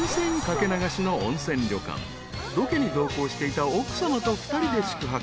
［ロケに同行していた奥さまと２人で宿泊］